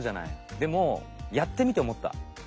でもやってみておもった。